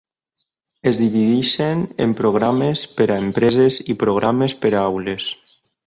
Es divideixen en programes per a empreses i programes per a aules.